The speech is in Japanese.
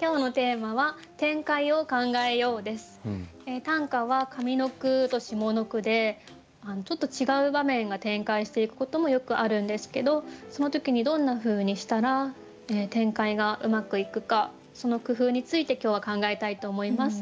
今日のテーマは短歌は上の句と下の句でちょっと違う場面が展開していくこともよくあるんですけどその時にどんなふうにしたら展開がうまくいくかその工夫について今日は考えたいと思います。